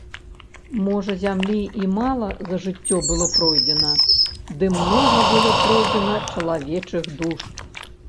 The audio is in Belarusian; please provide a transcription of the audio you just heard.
Можа зямлі і мала за жыццё было пройдзена, ды многа было пройдзена чалавечых душ.